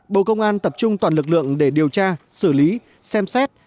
bộ công an tập trung toàn lực lượng để điều tra xử lý xem xét